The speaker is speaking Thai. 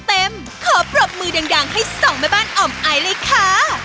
ขอปรบมือดังให้สองแม่บ้านอ่อมไอเลยค่ะ